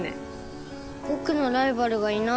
僕のライバルがいない。